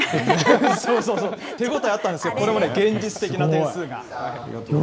そうそうそう、手応えあったんですけど、これもね、現実的な点数が。